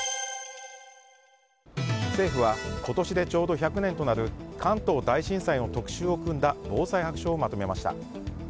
政府は今年でちょうど１００年となる関東大震災の特集を組んだ防災白書をまとめました。